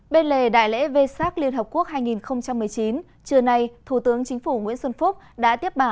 bên lề đại lễ v sac liên hợp quốc hai nghìn một mươi chín trưa nay thủ tướng chính phủ nguyễn xuân phúc đã tiếp bả